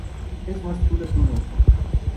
Es más chulo que un ocho